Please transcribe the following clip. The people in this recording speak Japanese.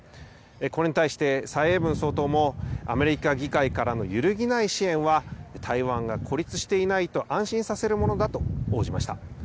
これに対して蔡英文総統も、アメリカ議会からの揺るぎない支援は、台湾が孤立していないと安心させるものだと応じました。